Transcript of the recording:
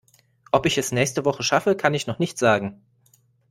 Ob ich es nächste Woche schaffe, kann ich noch nicht sagen.